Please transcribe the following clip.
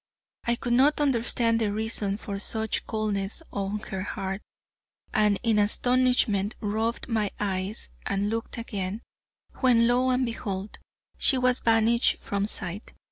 I could not understand the reason for such coldness on her part, and in astonishment rubbed my eyes and looked again, when lo and behold, she had vanished from sight.